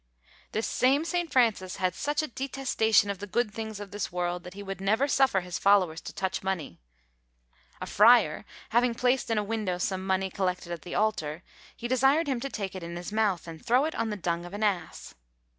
This same St. Francis had such a detestation of the good things of this world, that he would never suffer his followers to touch money. A friar having placed in a window some money collected at the altar, he desired him to take it in his mouth, and throw it on the dung of an ass!